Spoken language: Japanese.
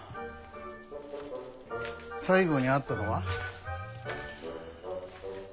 最後に会ったのは？